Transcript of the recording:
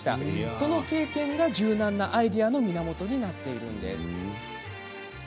その経験が、柔軟なアイデアの源になっています。